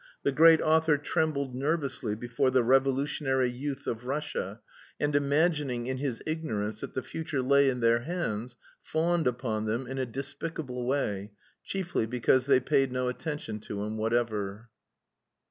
The great author trembled nervously before the revolutionary youth of Russia, and imagining, in his ignorance, that the future lay in their hands, fawned upon them in a despicable way, chiefly because they paid no attention to him whatever.